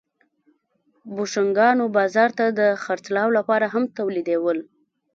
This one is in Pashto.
بوشونګانو بازار ته د خرڅلاو لپاره هم تولیدول